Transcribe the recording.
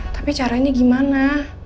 tapi caranya gimana